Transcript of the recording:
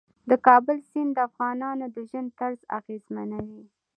د کابل سیند د افغانانو د ژوند طرز اغېزمنوي.